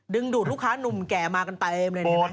ดึงดูดลูกค้านุ่มแก่มากันเต็ม